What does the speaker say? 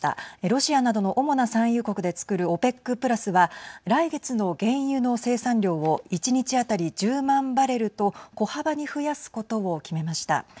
ロシアなどの主な産油国でつくるＯＰＥＣプラスは来月の原油の生産量を１日当たり１０万バレルと小幅に増やすことを決めました。